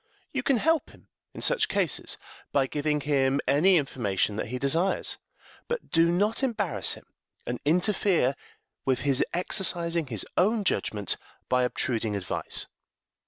You can help him in such cases by giving him any information that he desires, but do not embarrass him, and interfere with his exercising his own judgment by obtruding advice.